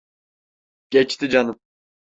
Geçti canım.